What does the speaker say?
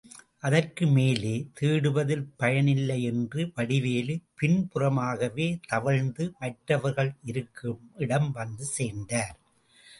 அதற்கு மேலே தேடுவதில் பயனில்லை என்று வடிவேலு, பின்புறமாகவே தவழ்ந்து, மற்றவர்கள் இருக்குமிடம் வந்து சேர்ந்தார்.